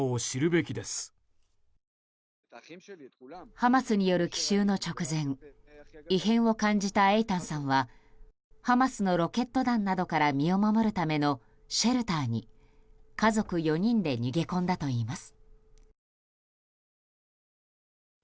ハマスによる奇襲の直前異変を感じたエイタンさんはハマスのロケット弾などから身を守るためのシェルターに家族４人で逃げ込んだといいます。